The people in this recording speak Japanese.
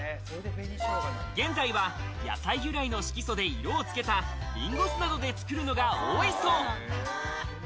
現在は野菜由来の色素で色をつけたリンゴ酢などでつくるのが多いそう。